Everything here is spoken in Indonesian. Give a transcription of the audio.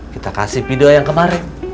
kita kasih video yang kemarin